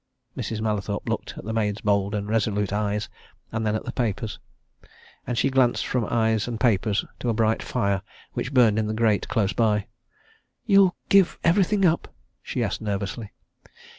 Mrs. Mallathorpe looked at the maid's bold and resolute eyes and then at the papers. And she glanced from eyes and papers to a bright fire which burned in the grate close by. "You'll give everything up?" she asked nervously.